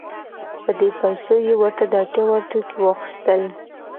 په دې پیسو یې ورته د اړتیا وړ توکي واخیستل.